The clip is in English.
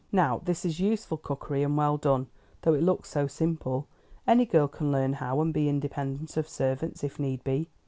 "Now this is useful cookery, and well done, though it looks so simple. Any girl can learn how and be independent of servants, if need be.